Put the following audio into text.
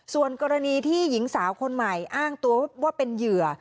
ส่วนกรณีที่หญิงสาวคนใหม่อ้างตัวว่าเป็นเหยื่อ